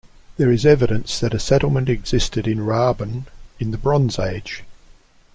There is evidence that a settlement existed in Ruabon in the Bronze Age.